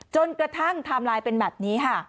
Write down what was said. จนกระทั่งทำลายเป็นแบบนี้